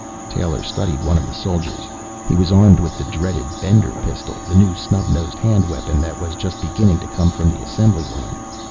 Taylor studied one of the soldiers. He was armed with the dreaded Bender pistol, the new snub nosed hand weapon that was just beginning to come from the assembly line.